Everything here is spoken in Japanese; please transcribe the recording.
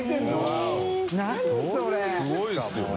すごいですよね。